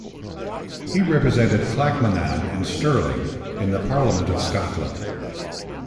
He represented Clackmannan and Stirling in the Parliament of Scotland.